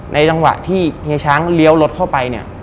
จังหวะที่เฮียช้างเลี้ยวรถเข้าไปเนี่ย